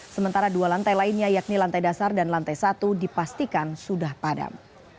sementara dua lantai lainnya yakni lantai dasar dan lantai satu dipastikan sudah padam